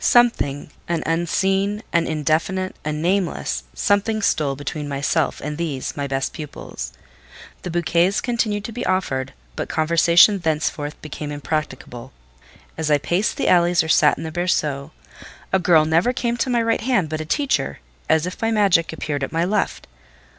Something—an unseen, an indefinite, a nameless—something stole between myself and these my best pupils: the bouquets continued to be offered, but conversation thenceforth became impracticable. As I paced the alleys or sat in the berceau, a girl never came to my right hand but a teacher, as if by magic, appeared at my left.